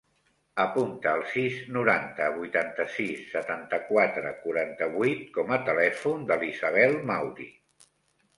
Apunta el sis, noranta, vuitanta-sis, setanta-quatre, quaranta-vuit com a telèfon de l'Isabel Mauri.